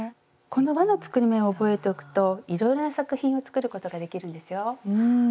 この「わの作り目」を覚えておくといろいろな作品を作ることができるんですよ。